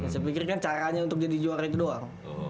saya pikir kan caranya untuk jadi juara itu doang